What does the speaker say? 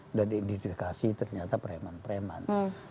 udah diindikasi ternyata preman preman